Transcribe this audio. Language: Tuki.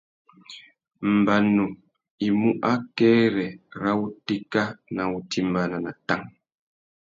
Mbanu i mú akêrê râ wutéka nà wutimbāna na tang.